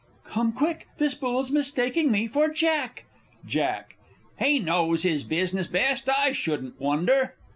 _ Come quick this Bull's mistaking me for Jack! Jack. He knows his business best, I shouldn't wonder.